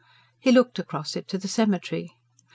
He looked across it to the cemetery.